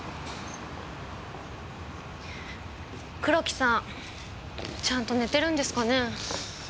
黒木さんちゃんと寝てるんですかね。